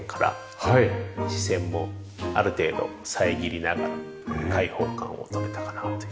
視線もある程度遮りながら開放感を取れたかなという。